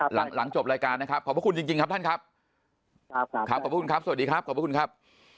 หลังจบรายการนะครับขอบคุณจริงครับท่านครับขอบคุณครับสวัสดีครับขอบคุณครับ